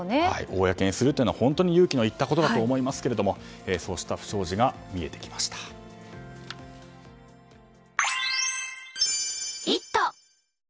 公にするというのは本当に勇気のいったことだと思いますけれどもそうした不祥事が見えてきました。